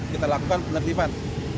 kita lakukan penertiban